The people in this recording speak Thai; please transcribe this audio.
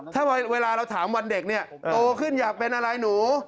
ถ้าเวลาเราถามวันเด็กเนี่ยโตขึ้นอยากเป็นอะไรหนู